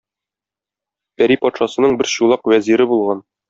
Пәри патшасының бер Чулак вәзире булган.